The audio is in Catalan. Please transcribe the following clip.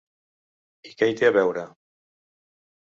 I què hi té a veure?